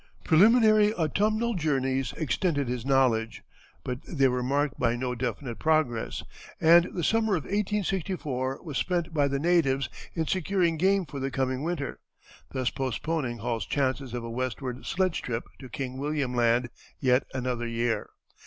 Preliminary autumnal journeys extended his knowledge, but they were marked by no definite progress, and the summer of 1864 was spent by the natives in securing game for the coming winter, thus postponing Hall's chances of a westward sledge trip to King William Land yet another year.